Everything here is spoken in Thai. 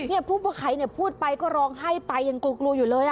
ผู้ประไขเนี่ยพูดไปก็ร้องไห้ไปยังกลัวอยู่เลย